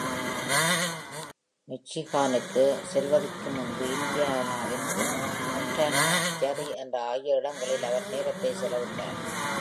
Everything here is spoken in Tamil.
Michiganனுக்கு செல்வதற்கு முன்பு, Indianaவின் Montana, Gary ஆகிய இடங்களில் அவர் நேரத்தை செலவிட்டார்.